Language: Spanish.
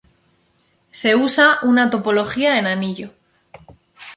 Se usa una topología en anillo.